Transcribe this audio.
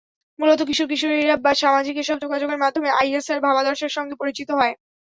মূলত কিশোর-কিশোরীরা সামাজিক এসব যোগাযোগের মাধ্যমেই আইএসের ভাবাদর্শের সঙ্গে পরিচিত হয়।